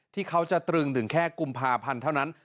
ที่เขาจะตรึงถึงแค่กุมภาพันธ์เท่านั้น